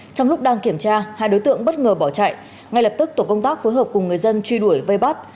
trong lúc đang kiểm tra hai đối tượng bất ngờ bỏ chạy ngay lập tức tổ công tác phối hợp cùng người dân truy đuổi vây bắt